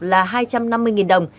là hai trăm năm mươi đồng